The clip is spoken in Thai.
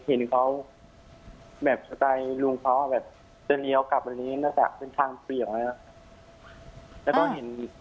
ใช่เห็นเขาแบบสุดท้ายลุงเขาแบบจะเลี้ยวกลับอันนี้เนื้อแต่เป็นทางเปรี่ยวนะครับ